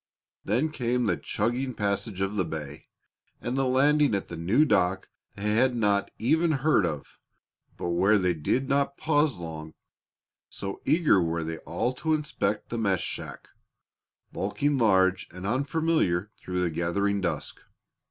Then came the chugging passage of the bay, and the landing at the new dock they had not even heard of, but where they did not pause long, so eager were they all to inspect the mess shack, bulking large and unfamiliar through the gathering dusk.